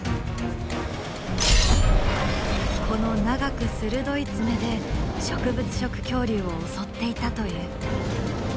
この長く鋭い爪で植物食恐竜を襲っていたという。